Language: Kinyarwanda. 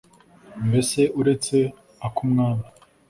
mbese uretse ak'umwami